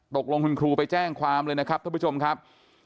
ตกลงคุณครูไปแจ้งความเลยนะครับท่านผู้ชมครับ